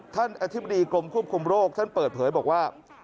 อธิบดีกรมควบคุมโรคท่านเปิดเผยบอกว่า